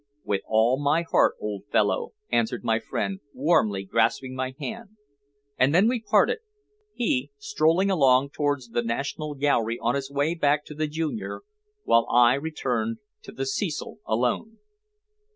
"With all my heart, old fellow," answered my friend, warmly grasping my hand, and then we parted, he strolling along towards the National Gallery on his way back to the "Junior," while I returned to the Cecil alone.